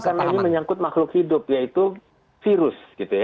karena ini menyangkut makhluk hidup yaitu virus